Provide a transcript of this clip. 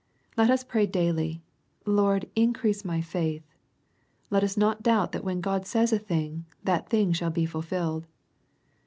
Let us pray daily, "Lord increase my faith." Let us not doubt that when God says a thing, that thing shall be fulfilled.